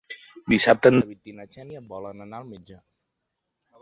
Dissabte en David i na Xènia volen anar al metge.